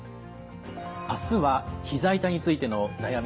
あすはひざ痛についての悩み